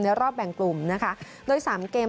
ในรอบแบ่งกลุ่มโดย๓เกม